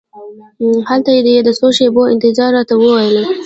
هلته یې د څو شېبو انتظار راته وویل.